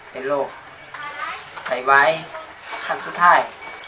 เป็นโรคคลายไหวสักสุดท้าย